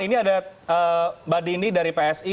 ini ada badini dari psi